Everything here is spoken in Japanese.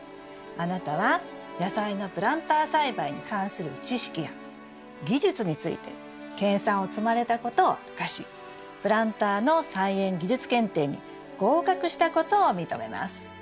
あなたは野菜のプランター栽培に関する知識や技術について研さんを積まれたことを証しプランターの菜園技術検定に合格したことを認めます」。